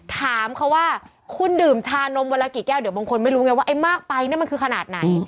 ถามเขาว่าคุณดื่มชานมวันละกี่แก้วเดี๋ยวบางคนไม่รู้ไงว่าไอ้มากไปเนี่ยมันคือขนาดไหน